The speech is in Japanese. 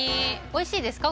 おいしいですか？